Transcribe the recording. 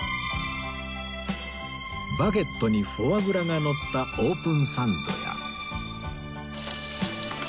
バゲットにフォアグラがのったオープンサンドや